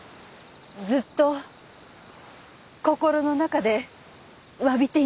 ずっと心の中でわびていました。